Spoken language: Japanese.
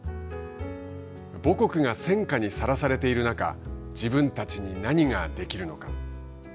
母国が戦火にさらされている中、自分たちに何ができるのか。